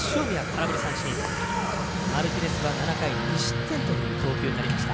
マルティネスは７回、２失点という内容でした。